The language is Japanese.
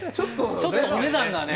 ちょっとお値段がね。